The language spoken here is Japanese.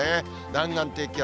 南岸低気圧。